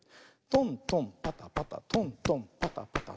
トントンパタパタトントンパタパタ。